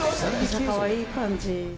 ブサかわいい感じ。